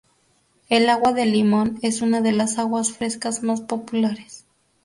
El agua de limón es una de las aguas frescas más populares.